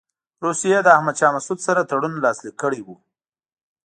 روسیې له احمدشاه مسعود سره تړون لاسلیک کړی وو.